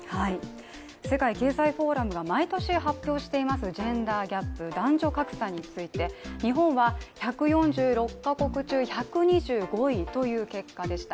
世界経済フォーラムが毎年発表しているジェンダーギャップ、男女格差について、日本は１４６か国中１２５位という結果でした。